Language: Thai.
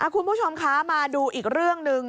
คุณผู้ชมคะมาดูอีกเรื่องหนึ่ง